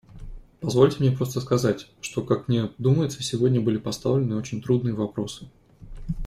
Позвольте мне просто сказать, что, как мне думается, сегодня были поставлены очень трудные вопросы.